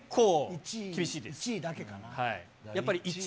１位だけかな。